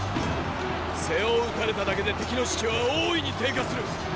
背を討たれただけで敵の士気は大いに低下する！